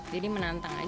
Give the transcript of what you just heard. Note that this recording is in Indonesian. jadi menantang aja sih